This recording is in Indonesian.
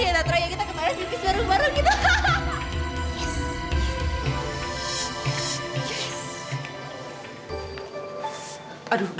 ya nadra kita kemarin dukis bareng bareng gitu